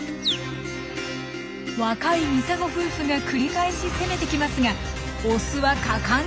若いミサゴ夫婦が繰り返し攻めてきますがオスは果敢に攻撃！